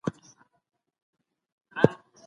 اقتصاد ورځ تر بلي وده کوي.